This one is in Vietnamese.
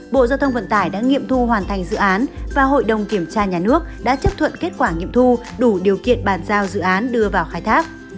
bộ giao thông vận tải đã nghiệm thu hoàn thành dự án và hội đồng kiểm tra nhà nước đã chấp thuận kết quả nghiệm thu đủ điều kiện bàn giao dự án đưa vào khai thác